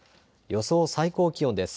予想最高気温です。